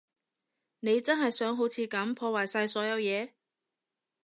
你真係想好似噉破壞晒所有嘢？